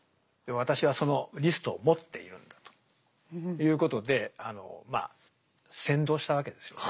私はそのリストを持っているんだということでまあ扇動したわけですよね。